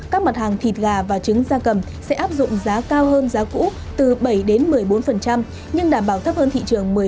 các mặt hàng thịt gà và trứng da cầm sẽ áp dụng giá cao hơn giá cũ từ bảy đến một mươi bốn nhưng đảm bảo thấp hơn thị trường một mươi